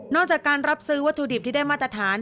จากการรับซื้อวัตถุดิบที่ได้มาตรฐาน